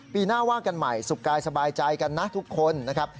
ปีหน้าว่ากันใหม่สุขกายสบายใจกันนะทุกคนนะครับ